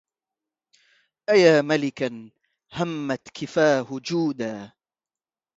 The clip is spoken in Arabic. أيا ملكا همت كفاه جودا